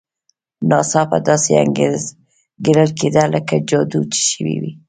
ناڅاپه داسې انګېرل کېده لکه جادو چې شوی وي.